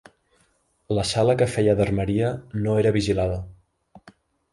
La sala que feia d'armeria no era vigilada